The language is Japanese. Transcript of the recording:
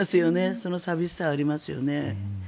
その寂しさはありますよね。